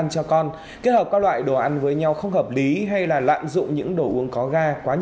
cho cơ thể bởi ngoài đường